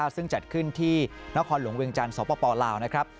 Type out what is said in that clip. ซึ่งจัดขึ้นที่นครหลวงเวียงจันทร์สปลาวนะครับ